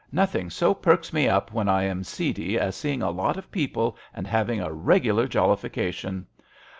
Nothing so perks me up when I am seedy as seeing a lot of people and having a regular jollification.